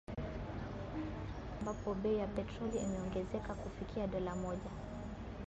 Nchini Uganda ambapo bei ya petroli imeongezeka kufikia dola moja